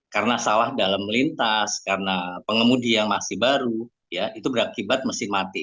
karena sawah dalam melintas karena pengemudi yang masih baru itu berakibat mesin mati